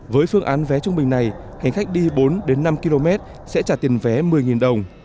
với phương án vé trung bình này hành khách đi bốn năm km sẽ trả tiền vé một mươi đồng